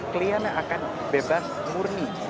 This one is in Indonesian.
keliannya akan bebas murni